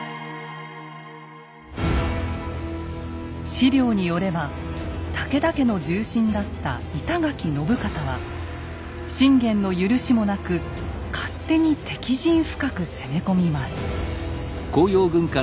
史料によれば武田家の重臣だった板垣信方は信玄の許しもなく勝手に敵陣深く攻め込みます。